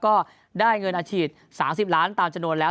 ก็ได้เงินอาจฉีด๓๐ล้านบาทตามจนโน้นแล้ว